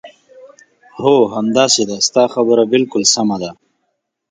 هو، همداسې ده، ستا خبره بالکل سمه ده.